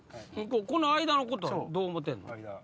この間のことはどう思うてんの？